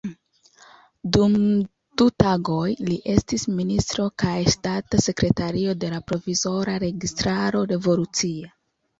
Dum du tagoj li estis ministro kaj ŝtata sekretario de la provizora registaro revolucia.